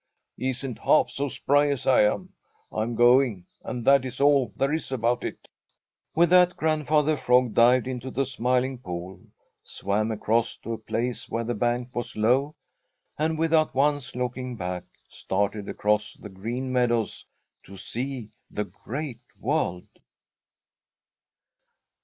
He isn't half so spry as I am. I'm going, and that is all there is about it!" With that Grandfather Frog dived into the Smiling Pool, swam across to a place where the bank was low, and without once looking back started across the Green Meadows to see the Great World.